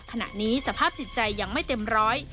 ขณะนี้สภาพจิตใจยังไม่เต็มร้อย